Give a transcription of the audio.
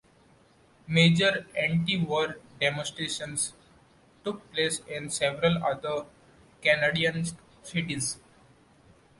Major anti-war demonstrations took place in several other Canadian cities.